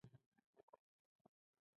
وژنه د مینې قاتله ده